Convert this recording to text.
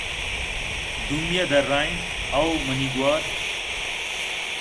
دومی ءَ درّائینت: ھَو منی گْوھار